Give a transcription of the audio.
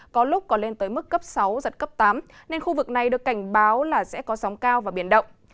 có lúc có lên tới mức cấp sáu giật cấp tám nên khu vực này được cảnh báo là sẽ có sóng cao và biển động